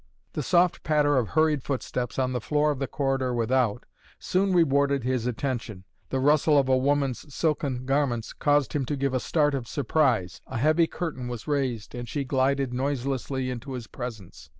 The soft patter of hurried footsteps on the floor of the corridor without soon rewarded his attention. The rustle of a woman's silken garments caused him to give a start of surprise. A heavy curtain was raised and she glided noiselessly into his presence.